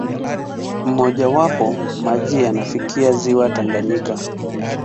Mmojawapo, maji yanafikia ziwa Tanganyika.